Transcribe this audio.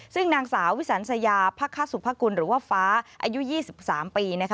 ซึ่งนางสาววิสัญสัยาภาคศุภกุลหรือว่าฟ้าอายุ๒๓ปี